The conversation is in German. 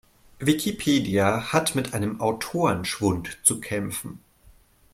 Wikipedia hat mit einem Autorenschwund zu kämpfen.